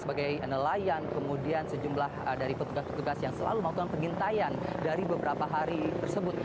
sebagai nelayan kemudian sejumlah dari petugas petugas yang selalu melakukan pengintaian dari beberapa hari tersebut